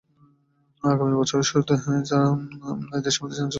আগামী বছরের শুরুতে চার দেশের মধ্যে যান চালু করার পরিকল্পনা রয়েছে।